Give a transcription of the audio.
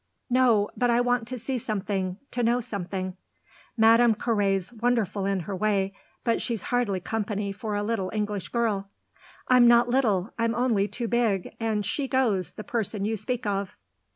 "No, but I want to see something to know something." "Madame Carré's wonderful in her way, but she's hardly company for a little English girl." "I'm not little, I'm only too big; and she goes, the person you speak of."